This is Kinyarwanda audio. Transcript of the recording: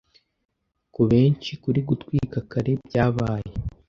Kubenshi kuri gutwika kare byabaye